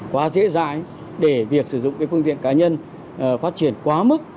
quá dễ dãi để việc sử dụng phương tiện cá nhân phát triển quá mức